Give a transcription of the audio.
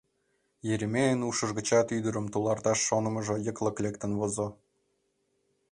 Еремейын ушыж гычат ӱдырым туларташ шонымыжо йыклык лектын возо.